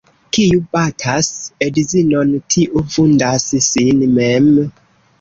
Kiu batas edzinon, tiu vundas sin mem.